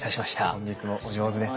本日もお上手です。